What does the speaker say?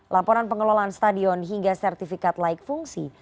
laporan pengelolaan stadion hingga sertifikat laik fungsi